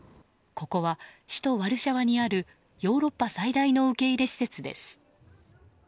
ここは、首都ワルシャワにあるヨーロッパ最大の受け入れ施設です。